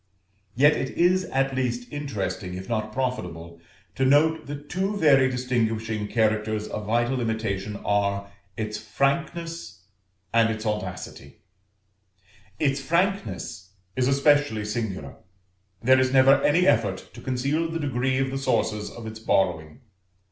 Yet it is at least interesting, if not profitable, to note that two very distinguishing characters of vital imitation are, its Frankness and its Audacity; its Frankness is especially singular; there is never any effort to conceal the degree of the sources of its borrowing.